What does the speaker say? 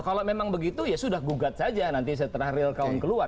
kalau memang begitu ya sudah gugat saja nanti setelah real count keluar